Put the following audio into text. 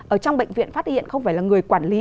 ở trong bệnh viện phát hiện không phải là người quản lý